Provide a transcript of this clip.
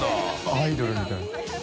アイドルみたい。